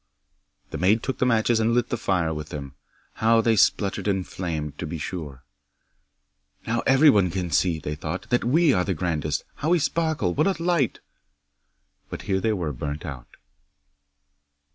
'The maid took the matches and lit the fire with them. How they spluttered and flamed, to be sure! "Now everyone can see," they thought, "that we are the grandest! How we sparkle! What a light " 'But here they were burnt out.